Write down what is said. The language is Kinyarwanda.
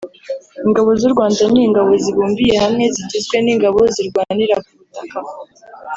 Ingabo z’u Rwanda ni Ingabo zibumbiye hamwe zigizwe n’Ingabo Zirwanira ku Butaka